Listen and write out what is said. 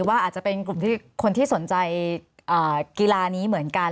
ว่าอาจจะเป็นคนที่สนใจกีฬานี้เหมือนกัน